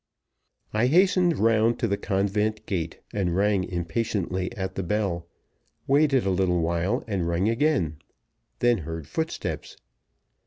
I hastened round to the convent gate and rang impatiently at the bell waited a little while and rang again then heard footsteps.